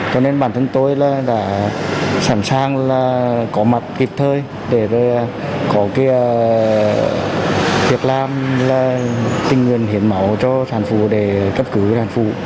cho nên bản thân tôi đã sẵn sàng có mặt kịp thời để có việc làm tình nguyên hiển máu cho sản phụ để cấp cứu sản phụ